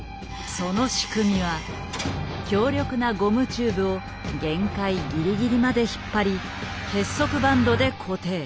その仕組みは強力なゴムチューブを限界ギリギリまで引っ張り結束バンドで固定。